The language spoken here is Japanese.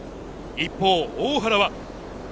一方、大原は。